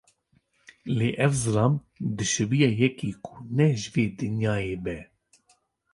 Lê ev zilam, dişibiya yekî ku ne ji vê dinyayê be.